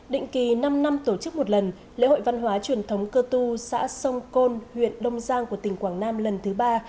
định kỳ năm năm tổ chức một lần lễ hội văn hóa truyền thống cơ tu xã sông côn huyện đông giang của tỉnh quảng nam lần thứ ba